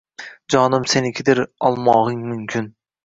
Jonim senikidir olmog‘ing mumkin